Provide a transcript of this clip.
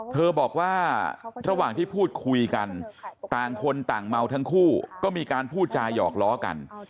เธอบอกว่าระหว่างที่พูดคุยกันต่างคนต่างเมาทั้งคู่ก็มีการพูดจาหยอกล้อกัน